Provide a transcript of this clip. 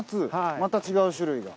また違う種類が。